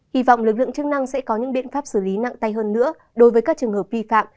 hy vọng lực lượng chức năng sẽ có những biện pháp xử lý nặng tay hơn nữa đối với các trường hợp vi phạm